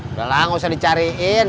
udah lah nggak usah dicariin